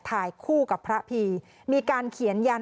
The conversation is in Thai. ถ่ายคู่กับพระพีมีการเขียนยัน